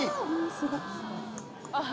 すごい。